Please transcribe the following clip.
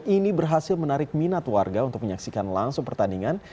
ini berhasil menarik minat warga untuk menyaksikan langsung pertandingan